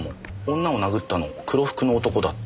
「女を殴ったの黒服の男だった」